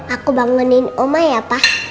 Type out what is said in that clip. aku bangunin oma ya pak